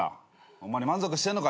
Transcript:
ホンマに満足してんのか？